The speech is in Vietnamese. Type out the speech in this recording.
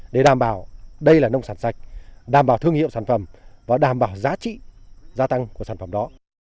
để đảm bảo đây là nông sản sạch đảm bảo thương hiệu sản phẩm và đảm bảo giá trị gia tăng của sản phẩm đó